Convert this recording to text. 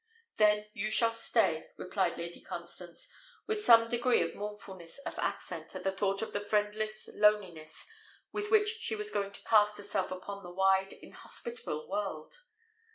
"Then you shall stay," replied Lady Constance, with some degree of mournfulness of accent at the thought of the friendless loneliness with which she was going to cast herself upon the wide, inhospitable world.